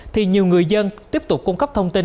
thì nhiều người dân tiếp tục cung cấp thông tin